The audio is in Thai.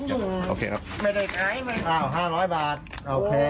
สองหนึ่งโอเคครับไม่ได้ใช้อ้าวห้าร้อยบาทโอเค